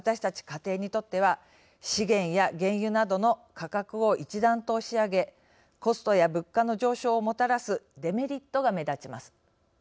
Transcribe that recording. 家庭にとっては資源や原油などの価格を一段と押し上げコストや物価の上昇をもたらすデメリットが目立ちます。